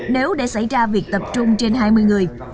nếu để xảy ra việc tập trung trên hai mươi người